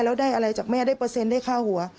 แล้วได้อะไรจากแม่ได้เปอร์เซ็นต์ได้ค่าหัว